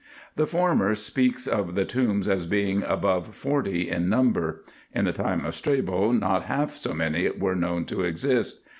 The former speaks of the tombs as being above forty in number. In the time of Strabo not half so many were known to exist.